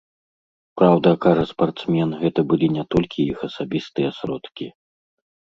Праўда, кажа спартсмен, гэта былі не толькі іх асабістыя сродкі.